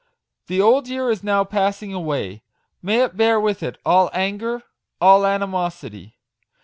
The old year is now passing away may it bear with it all anger, all animosity